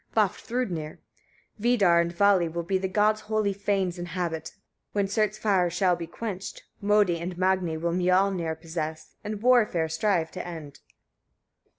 Vafthrûdnir. 51. Vidar and Vali will the gods' holy fanes inhabit, when Surt's fire shall be quenched. Môdi and Magni will Miöllnir possess, and warfare strive to end.